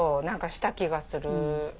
何かした気がする。